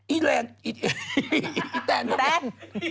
อีแรนอีแตนแตน